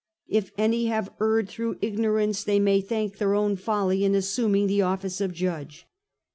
If any have erred through ignorance, they may thank their own folly in assuming the office of Judge."